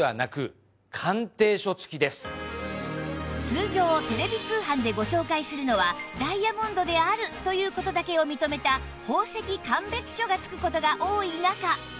通常テレビ通販でご紹介するのはダイヤモンドであるという事だけを認めた宝石鑑別書が付く事が多い中